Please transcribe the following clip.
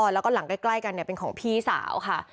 แล้วก็หลังใกล้กันเป็นของพี่สาวค่ะ